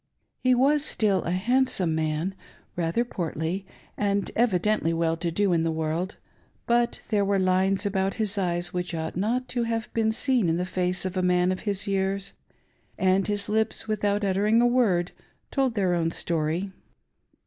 He was still a handsome man, rather portly, and evidently well to do in the world ; but there were lines about his eyes which ought not to have been seen in the face of a man of his years ; and his lips, without uttering a word, told theii own story.